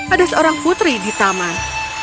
ada seorang putri di taman